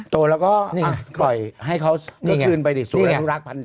โตแล้วก็ปล่อยให้เขาขึ้นไปสู่เรื่องรักฐานทรัพย์